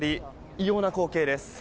異様な光景です。